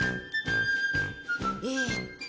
えっと。